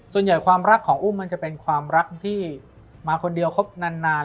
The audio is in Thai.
ความรักของอุ้มมันจะเป็นความรักที่มาคนเดียวครบนาน